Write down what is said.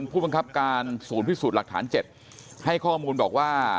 ผู้บังคับการศูนย์พิสูจน์หลักฐาน๗ให้ข้อมูลบอกว่า